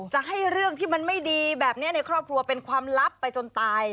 จะให้เรื่องที่มันไม่ดีแบบนี้ในครอบครัวเป็นความลับไปจนตาย